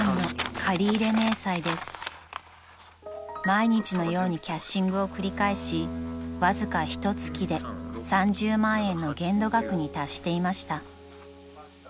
［毎日のようにキャッシングを繰り返しわずかひと月で３０万円の限度額に達していました］